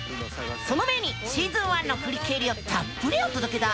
その前にシーズン１の振り返りをたっぷりお届けだ！